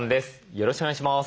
よろしくお願いします。